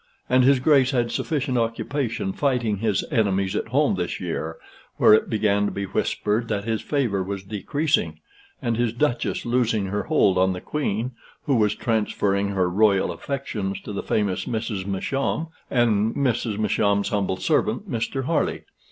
And his Grace had sufficient occupation fighting his enemies at home this year, where it began to be whispered that his favor was decreasing, and his duchess losing her hold on the Queen, who was transferring her royal affections to the famous Mrs. Masham, and Mrs. Masham's humble servant, Mr. Harley.